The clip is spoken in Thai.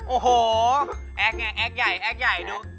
โอ้โหแอ๊กไงแอ๊กใหญ่แอ๊กใหญ่ดูใส่เสื้อหนัง